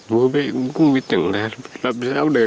bố mẹ cũng không biết làm sao nữa